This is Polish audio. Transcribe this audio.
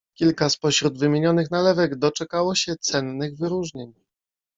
Kilka spośród wymienionych nalewek doczekało się cennych wyróżnień.